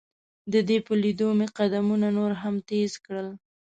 د دې په لیدو مې قدمونه نور هم تیز کړل.